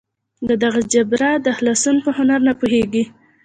له دغسې جبره د خلاصون په هنر نه پوهېږي.